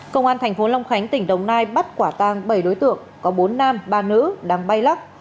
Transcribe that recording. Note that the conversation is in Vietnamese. công an tp long khánh tỉnh đồng nai bắt quả tăng bảy đối tượng có bốn nam ba nữ đang bay lắc